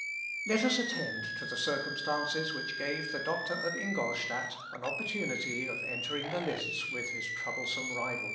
Let us attend to the circumstances which gave the doctor of Ingolstadt an opportunity of entering the lists with his troublesome rival.